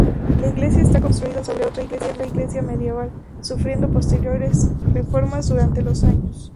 La iglesia está construida sobre otra iglesia medieval, sufriendo posteriores reformas durante los años.